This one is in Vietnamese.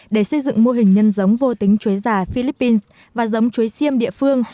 để xây dựng mô hình nhân giống vô tính chuối già philippines và giống chuối xiêm địa phương